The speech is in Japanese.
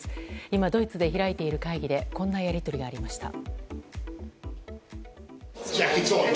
今ドイツで開いている会議でこんなやり取りがありました。